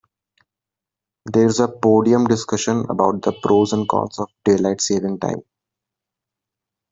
There's a podium discussion about the pros and cons of daylight saving time.